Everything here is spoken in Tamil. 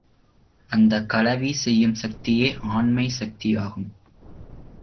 அந்தக் கலவி செய்யும் சக்தியே ஆண்மைச் சக்தியாகும்.